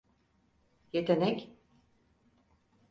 Yetenek…